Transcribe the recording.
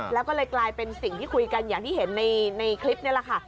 แล้วก็เลยกลายเป็นสิ่งที่คุยกันอย่างที่เห็นในคลิปนี่แหละค่ะ